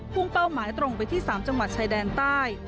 เป้าหมายตรงไปที่๓จังหวัดชายแดนใต้